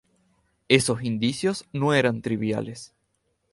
Esos indicios no eran triviales.